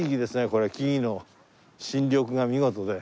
これ木々の新緑が見事で。